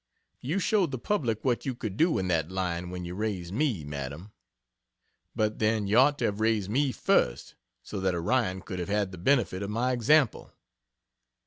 You showed the public what you could do in that line when you raised me, Madam. But then you ought to have raised me first, so that Orion could have had the benefit of my example.